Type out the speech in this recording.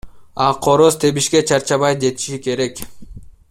А короз тебишке чарчабай жетиши керек.